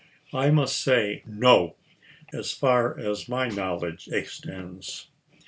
I must say " No," as far as my knowledge extends.